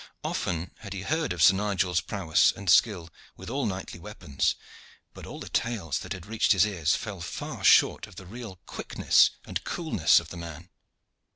Often had he heard of Sir Nigel's prowess and skill with all knightly weapons, but all the tales that had reached his ears fell far short of the real quickness and coolness of the man.